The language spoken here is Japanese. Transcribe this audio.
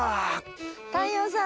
太陽さん。